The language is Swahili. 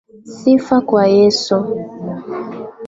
Sifa kwa Yesu!